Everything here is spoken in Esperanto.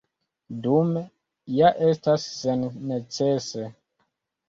Dume ja estas sennecese.